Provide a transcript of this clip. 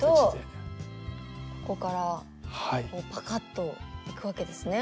ここからパカッといくわけですね。